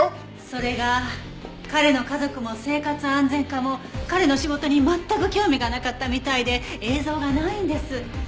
それが彼の家族も生活安全課も彼の仕事に全く興味がなかったみたいで映像がないんです。